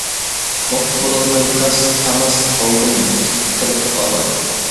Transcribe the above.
ئوقۇپ بولالماي تاس-تاماس قالدىم تېلىقىپ قالغىلى.